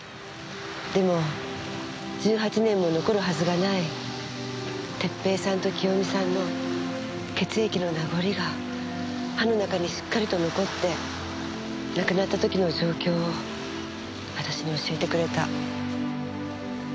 でも１８年も残るはずがない哲平さんと清美さんの血液の名残が歯の中にしっかりと残って亡くなった時の状況を私に教えてくれた。